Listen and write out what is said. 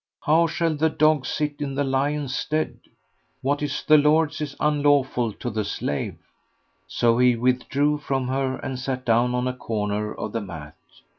How shall the dog sit in the lion's stead? What is the lord's is unlawful to the slave!" So he with drew from her, and sat down on a corner of the mat.